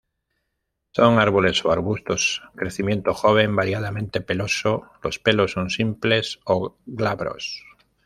Son árboles o arbustos; crecimiento joven variadamente peloso, los pelos simples o glabros.